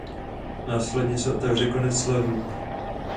Následně se otevře konec levelu.